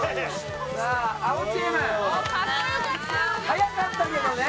速かったけどね。